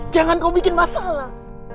jangan kau bikin masalah